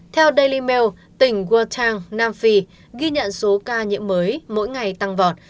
theo daily mail tỉnh wotang nam phi ghi nhận số ca nhiễm mới mỗi ngày tăng vọt